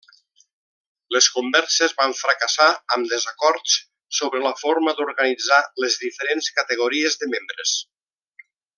Les converses van fracassar amb desacords sobre la forma d'organitzar les diferents categories de membres.